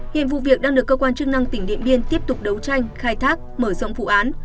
hiện vụ việc đang được cơ quan chức năng tỉnh điện biên tiếp tục đấu tranh khai thác mở rộng vụ án